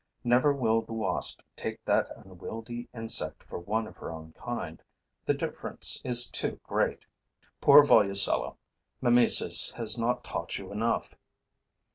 Never will the wasp take that unwieldy insect for one of her own kind. The difference is too great. Poor Volucella, mimesis has not taught you enough.